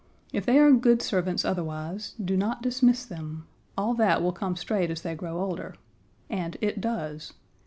If they are good servants otherwise, do not dismiss them; all that will come straight as they grow older, and it does!